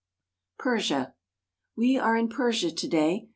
PERSIA WE are in Persia to day.